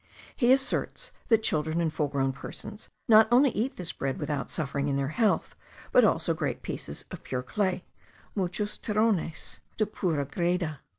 He asserts, that children and full grown persons not only eat this bread without suffering in their health, but also great pieces of pure clay (muchos terrones de pura greda.)